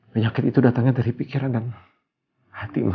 penyakit itu datangnya dari pikiran dan hati loh